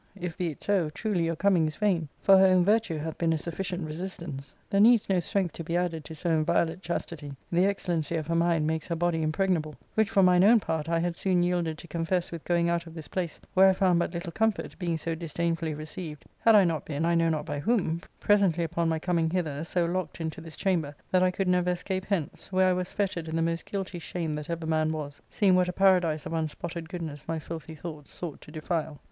If be it so, truly your coming is vain, for her own virtue hath been a sufficient resistance : there needs no strength to be ladded to so inviolate chastity, the excellency of her mind makes her body impregnable ; which for mine own part I had soon, yielded to confess with goin^ out of this place, where I found but little comfort, being so disdainfully re ceived, had I not been, 1 know not by whom, presently upon jny coming hither so locked into this chamber that I could never escape hence ; where I was fettered in the most guilty shame that ever man was, seeing what a paradise of un spotted goodness my filthy thoughts sought to defile.